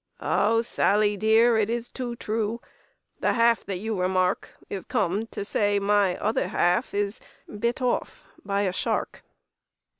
"Oh! Sally dear, it is too true, The half that you remark Is come to say my other half Is bit off by a shark!